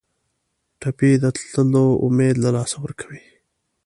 ټپي د تلو امید له لاسه ورکوي.